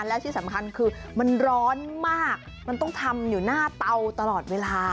และที่สำคัญคือมันร้อนมากมันต้องทำอยู่หน้าเตาตลอดเวลา